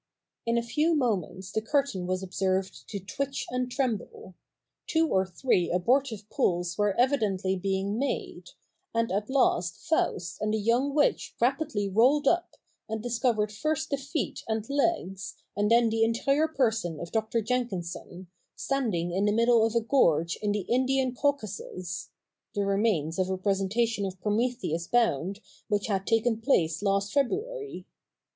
In a few moments the curtain was observed to twitch and tremble ; two or three abortive pulls were evidently being made ; and at last Faust and the young witch rapidly rolled up, and discovered first the feet and legs, and then the entire person of Doctor Jenkinson, standing in the middle of a gorge in the Indian Cau casus — the remains of a presentation of Prometheus Bound which had taken place last February.